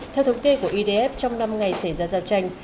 theo thống kê của idf trong năm ngày xảy ra giao tranh